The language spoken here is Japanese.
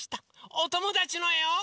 おともだちのえを。